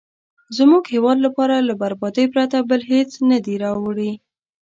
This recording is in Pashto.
زموږ هیواد لپاره له بربادۍ پرته بل هېڅ نه دي راوړي.